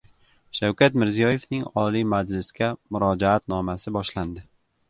Shavkat Mirziyoyevning Oliy Majlisga Murojaatnomasi boshlandi